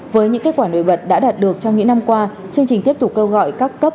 với những kết quả nổi bật đã đạt được trong những năm qua chương trình tiếp tục kêu gọi các cấp